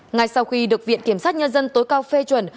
ngay sau khi được viện kiểm sát nhân dân tối cao phê chuẩn